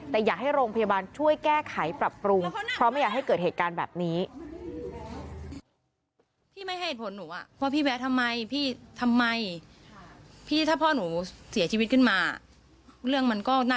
แต่อยากให้โรงพยาบาลช่วยแก้ไขปรับปรุง